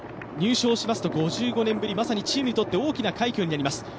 入賞しますと５５年ぶりまさにチームにとって大きな快挙になります。